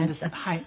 はい。